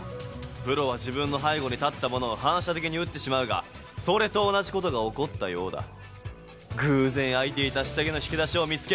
プロは自分の背後に立った者を反射的に撃ってしまうがそれと同じことが起こったようだ偶然開いていた下着の引き出しを見つけ